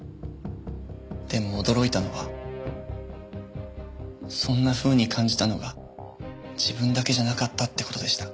でも驚いたのはそんなふうに感じたのが自分だけじゃなかったって事でした。